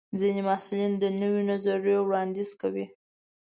ځینې محصلین د نویو نظرونو وړاندیز کوي.